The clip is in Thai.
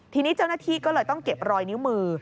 ทีนี้เจ้าหน้าที่ก็เลยต้องเก็บรอยนิ้วมือ